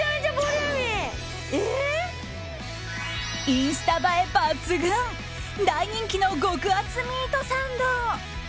インスタ映え抜群大人気の極厚ミートサンド。